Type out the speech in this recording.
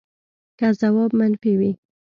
که ځواب منفي وي